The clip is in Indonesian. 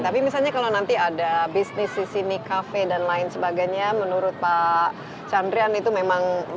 tapi misalnya kalau nanti ada bisnis di sini kafe dan lain sebagainya menurut pak chandrian itu memang